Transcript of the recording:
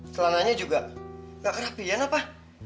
celananya juga gak kerapian apa